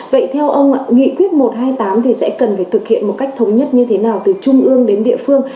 vậy theo ông nghị quyết một trăm hai mươi tám thì sẽ cần phải thực hiện một cách thống nhất như thế nào từ trung ương đến địa phương